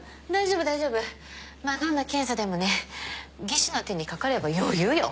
まあどんな検査でもね技師の手にかかれば余裕よ。